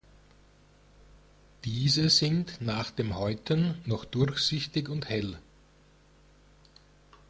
Diese sind nach dem Häuten noch durchsichtig und hell.